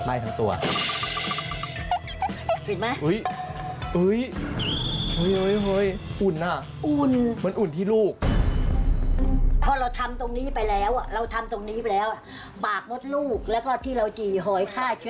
ทำอย่างไรโอ้โฮคอบไปแบบนี้เลย